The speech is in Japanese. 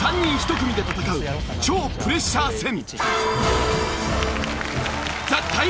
３人１組で戦う超プレッシャー戦。